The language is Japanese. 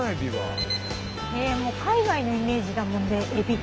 もう海外のイメージだもんねエビって。